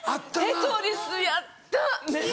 テトリスやった！